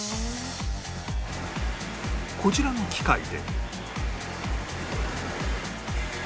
こちらの機械で